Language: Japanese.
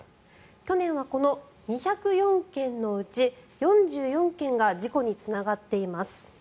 去年はこの２０４件のうち４４件が事故につながっています。